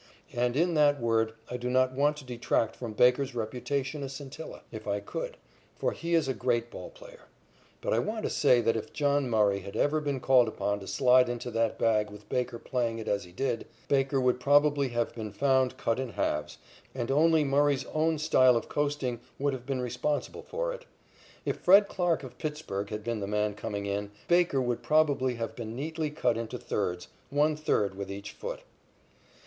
And in that word I do not want to detract from Baker's reputation a scintilla, if I could, for he is a great ball player. But I want to say that if John Murray had ever been called upon to slide into that bag with Baker playing it as he did, Baker would probably have been found cut in halves, and only Murray's own style of coasting would have been responsible for it. If Fred Clarke of Pittsburg had been the man coming in, Baker would probably have been neatly cut into thirds, one third with each foot.